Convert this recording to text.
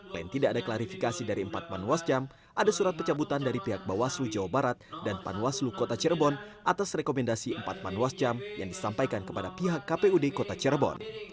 lain tidak ada klarifikasi dari empat panwascam ada surat pecah butan dari pihak bawaslu jawa barat dan panwaslu kota cirebon atas rekomendasi empat panwascam yang disampaikan kepada pemilihan